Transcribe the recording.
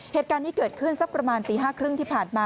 เหตุการณ์นี้เกิดขึ้นสักประมาณตี๕๓๐ที่ผ่านมา